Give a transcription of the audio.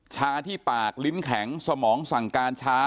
ชาที่ปากลิ้นแข็งสมองสั่งการช้า